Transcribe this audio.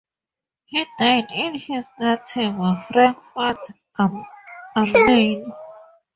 He died in his native Frankfurt am Main.